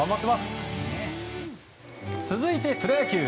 続いてプロ野球。